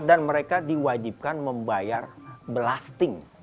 dan mereka diwajibkan membayar belasting